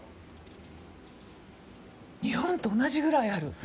日本と同じぐらいある。